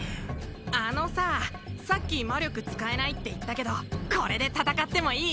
あのささっき魔力使えないって言ったけどこれで戦ってもいい？